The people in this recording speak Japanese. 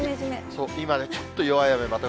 そう、今ね、ちょっと弱い雨、